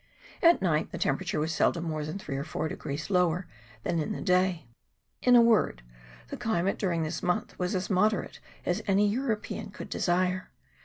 At night the tem perature was seldom more than three or four degrees lower than in the day. In a word, the climate during this month was as moderate as any European could desire.